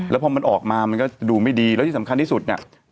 แล้วพอมันออกมามันก็ดูไม่ดีแล้วที่สำคัญที่สุดเนี่ย